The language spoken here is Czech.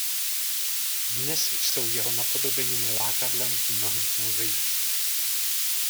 Dnes jsou jeho napodobeniny lákadlem v mnohých muzeích.